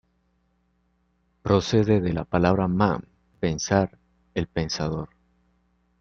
Procede de la palabra man, "pensar"; el Pensador.